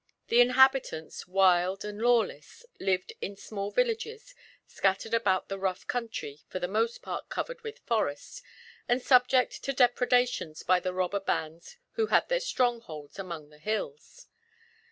The inhabitants, wild and lawless, lived in small villages scattered about the rough country, for the most part covered with forest, and subject to depredations by the robber bands who had their strongholds among the hills.